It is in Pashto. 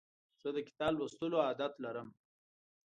زه د کتاب لوستلو عادت لرم.